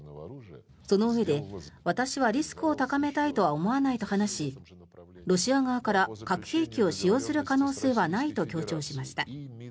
そのうえで、私はリスクを高めたいとは思わないと話しロシア側から核兵器を使用する可能性はないと強調しました。